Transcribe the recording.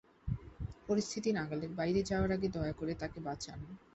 পরিস্থিতি নাগালের বাইরে যাওয়ার আগে দয়া করে তাকে বাঁচান।